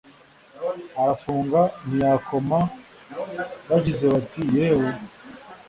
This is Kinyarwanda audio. Arafunga ntiyakoma Bagize bati "yewe!"